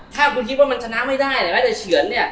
ถ้าคุณคิดว่ามันชนะไม่ได้แต่เฉียนเนี่ย